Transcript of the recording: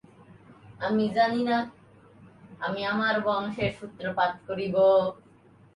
সেই থেকে তাইওয়ানে মঙ্গোলীয় জনগোষ্ঠী বসবাসের সূত্রপাত।